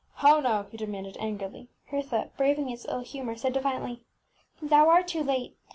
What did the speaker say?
ŌĆśHow now! ŌĆÖ he de manded, angrily. Hertha, braving his ill humour, said, defiantly, ŌĆś Thou art too late.